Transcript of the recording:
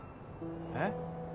えっ？